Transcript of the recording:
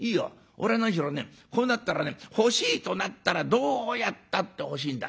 俺は何しろねこうなったらね欲しいとなったらどうやったって欲しいんだ。